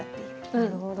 なるほど。